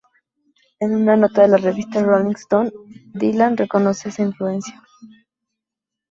En una nota de la revista "Rolling Stone", Dylan reconoce esa influencia.